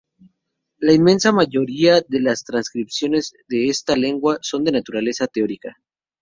La inmensa mayoría de las transcripciones de esta lengua son de naturaleza teórica.